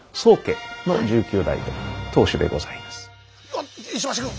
おっ石橋君！